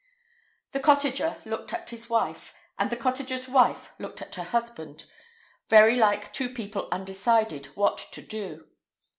The cottager looked at his wife, and the cottager's wife looked at her husband, very like two people undecided what to do.